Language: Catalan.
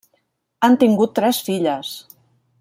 Han tingut tres filles.